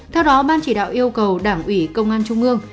theo đó ban chỉ đạo yêu cầu đảng ủy công an trung ương